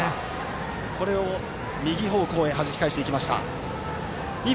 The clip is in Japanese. これを右方向へはじき返していきました。